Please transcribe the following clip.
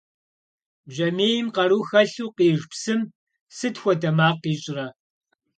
Бжьамийм къару хэлъу къиж псым сыт хуэдэ макъ ищӀрэ?